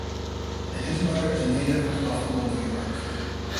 His mother is a native of Buffalo, New York.